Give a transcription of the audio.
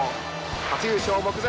初優勝目前。